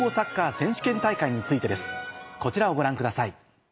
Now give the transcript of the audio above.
こちらをご覧ください。